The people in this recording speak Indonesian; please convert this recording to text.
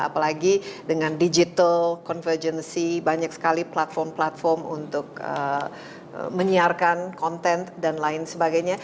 apalagi dengan digital convergency banyak sekali platform platform untuk menyiarkan konten dan lain sebagainya